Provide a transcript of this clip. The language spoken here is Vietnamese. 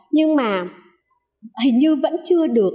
nhưng mà hình như vẫn chưa được